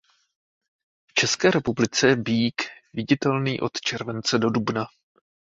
V České republice je Býk viditelný od července do dubna.